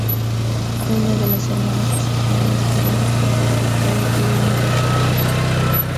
Fue una de las hermanas asesinadas por el dictador Rafael Leónidas Trujillo.